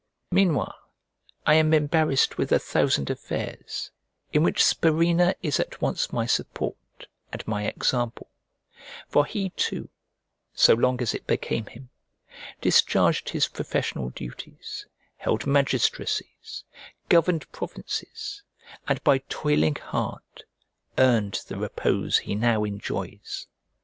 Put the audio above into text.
Meanwhile I am embarrassed with a thousand affairs, in which Spurinna is at once my support and my example: for he too, so long as it became him, discharged his professional duties, held magistracies, governed provinces, and by toiling hard earned the repose he now enjoys.